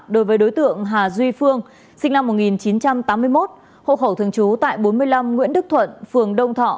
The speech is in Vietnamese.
đối với đối tượng hà duy phương sinh năm một nghìn chín trăm tám mươi một hộ khẩu thường trú tại bốn mươi năm nguyễn đức thuận phường đông thọ